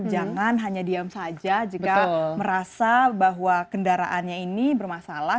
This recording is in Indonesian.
jangan hanya diam saja jika merasa bahwa kendaraannya ini bermasalah